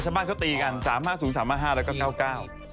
ชาวบ้านเขาตีกัน๓๕๐๓๕๕แล้วก็๙๙